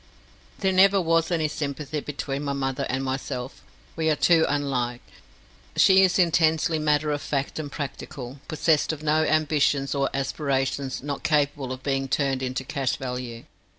There never was any sympathy between my mother and myself. We are too unlike. She is intensely matter of fact and practical, possessed of no ambitions or aspirations not capable of being turned into cash value.